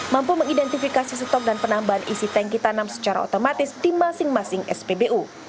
mampu mengidentifikasi stok dan penambahan isi tanki tanam secara otomatis di masing masing spbu